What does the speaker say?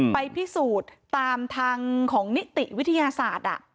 ไปพิสูจน์ตามทางของนิติวิทยาศาสตร์